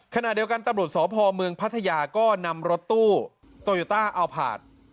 ขณะเดียวกันตำรวจสพเมืองพัทยาก็นำรถตู้โตโยต้าอัลพาร์ท